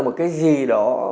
một cái gì đó